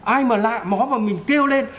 ai mà lạ mó vào mình kêu lên